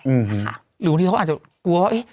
หรือบางทีเขาก็อาจจะกลัวว่า